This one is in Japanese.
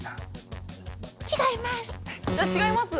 違います。